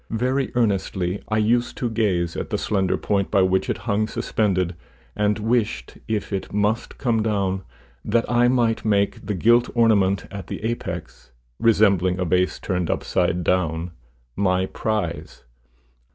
Very earnestly I used to gaze at the slender point by which it hung suspended, and wished, if it must come down, that I might make the gilt ornament at the apex, resembling a vase turned upside down, my prize.